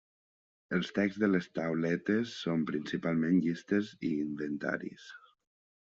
Els texts de les tauletes són principalment llistes i inventaris.